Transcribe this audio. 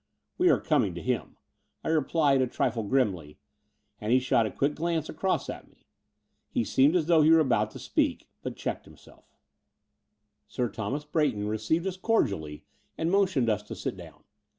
"We are coming to him," I replied, a trifle grimly: and he shot a quick glance across at me. He seemed as though he were about to speak, but checked himself. i86 The Door of the Unreal XV Sir Thomas Bra3rton received us cordially and motioned us to sit down.